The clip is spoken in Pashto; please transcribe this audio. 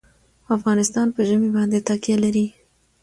افغانستان په ژمی باندې تکیه لري.